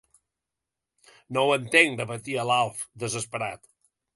No ho entenc —repetia l'Alf, desesperat—.